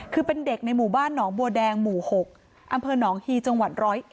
คือเป็นเด็กในหมู่บ้านหนองบัวแดงหมู่๖อนหฮีจร๑๐๑